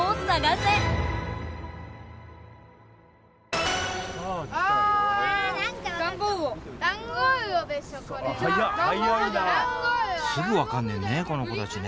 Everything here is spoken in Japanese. すぐ分かんねんねこの子たちね